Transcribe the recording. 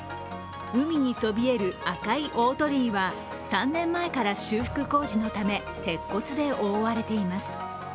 海にそびえる赤い大鳥居は３年前から、修復工事のため鉄骨で覆われています。